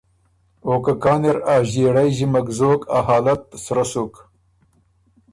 او که کان اِر ا ݫيېړئ ݫِمک زوک ا حالت سرۀ سُک،